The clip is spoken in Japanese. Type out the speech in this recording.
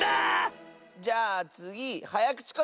じゃあつぎはやくちことば！